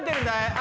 あ！